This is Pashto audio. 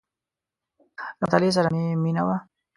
• له مطالعې سره مې مینه وه.